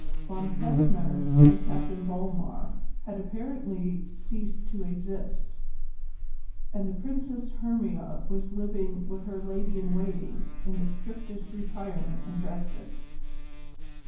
Von Kessner and Captain Vollmar had apparently ceased to exist, and the Princess Hermia was living with her lady in waiting in the strictest retirement in Dresden.